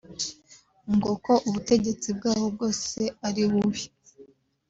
ngo ko ubutegetsi bwaho bwose ari bubi